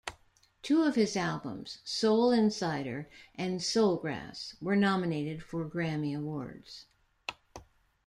Two of his albums, "Soul Insider" and "Soulgrass", were nominated for Grammy awards.